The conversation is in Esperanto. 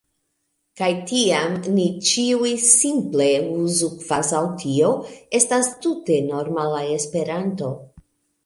Kaj tiam ni ĉiuj simple uzu kvazaŭ tio estas tute normala Esperanto.